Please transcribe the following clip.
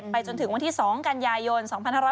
จนถึงวันที่๒กันยายน๒๕๖๐